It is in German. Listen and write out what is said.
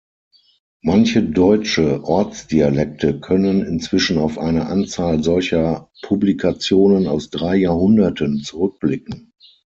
Manche deutsche Ortsdialekte können inzwischen auf eine Anzahl solcher Publikationen aus drei Jahrhunderten zurückblicken.